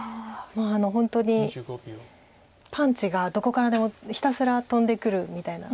本当にパンチがどこからでもひたすら飛んでくるみたいな。